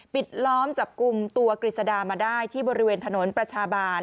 ล้อมจับกลุ่มตัวกฤษดามาได้ที่บริเวณถนนประชาบาล